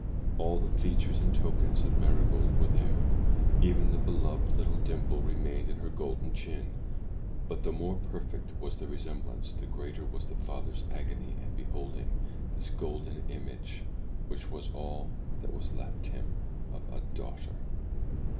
All the features and tokens of Marygold were there; even the beloved little dimple remained in her golden chin. But, the more perfect was the resemblance, the greater was the father's agony at beholding this golden image, which was all that was left him of a daughter.